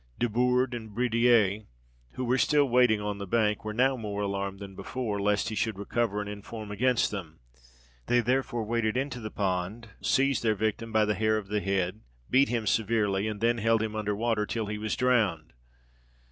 Desbourdes and Bridier, who were still waiting on the bank, were now more alarmed than before, lest he should recover and inform against them. They therefore waded into the pond, seized their victim by the hair of the head, beat him severely, and then held him under water till he was drowned.